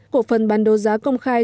cổ phần bán đô giá công khai